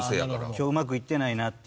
今日うまくいってないなっていう。